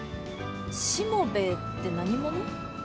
しもべえって何者？